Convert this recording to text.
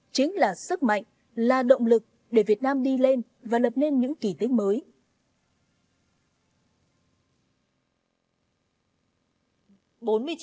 chính là sức mạnh là động lực để việt nam đi lên và lập nên những kỷ tế mới